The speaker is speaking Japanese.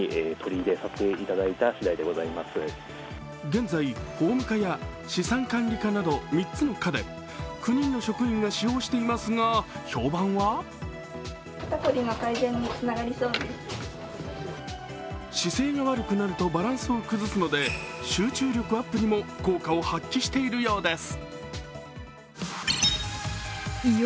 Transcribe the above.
現在、法務課や資産管理課など３つの課で９人の職員が使用していますが、評判は姿勢が悪くなるとバランスを崩すので集中力アップにも効果を発揮しているようです。